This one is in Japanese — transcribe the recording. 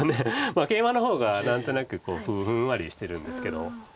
ケイマの方が何となくふんわりしてるんですけど。